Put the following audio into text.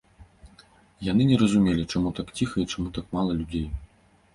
Яны не разумелі, чаму так ціха і чаму так мала людзей.